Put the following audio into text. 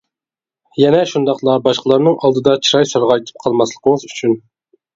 يەنە شۇنداقلا باشقىلارنىڭ ئالدىدا چىراي سارغايتىپ قالماسلىقىڭىز ئۈچۈن!